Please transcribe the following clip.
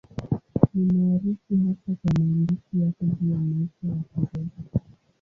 Ni maarufu hasa kwa maandishi yake juu ya maisha ya Kiroho.